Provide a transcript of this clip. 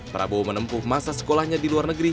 prabowo menempuh masa sekolahnya di luar negeri